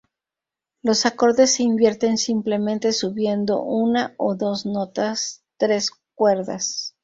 Los acordes se invierten simplemente subiendo una o dos notas tres cuerdas.